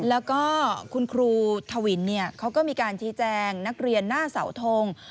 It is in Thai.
แล้วก็คุณครูทวินเขาก็มีการชี้แจงนักเรียนหน้าเสาทง